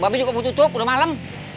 babi juga belum tutup udah malam